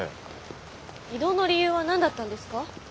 異動の理由は何だったんですか？